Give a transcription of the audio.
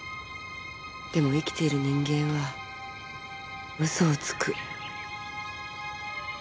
でも生きている人間は嘘をつく。